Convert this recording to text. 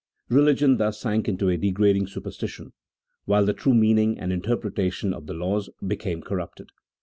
Beligion thus sank into a degrading superstition, while the true meaning and inter pretation of the laws became corrupted.